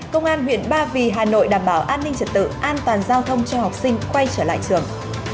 công an huyện ba vì hà nội đảm bảo an ninh trật tự an toàn giao thông cho học sinh quay trở lại trường